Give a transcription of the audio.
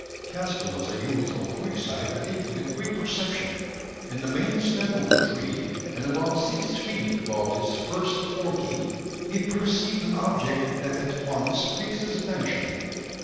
Caspar was a youth of quick sight and equally quick perception. In the main stem of the tree, and about six feet above its first forking, he perceived an object that at once fixed his attention.